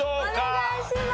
お願いします！